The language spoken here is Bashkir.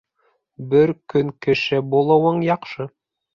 Бер көн кеше булыуың яҡшы.